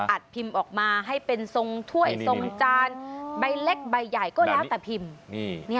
พิมพ์ออกมาให้เป็นทรงถ้วยทรงจานใบเล็กใบใหญ่ก็แล้วแต่พิมพ์